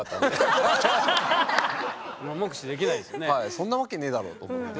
そんなわけねえだろ！と思って。